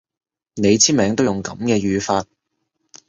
你簽名都用噉嘅語法